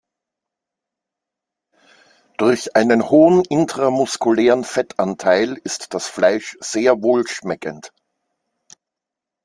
Durch einen hohen intramuskulären Fettanteil ist das Fleisch sehr wohlschmeckend.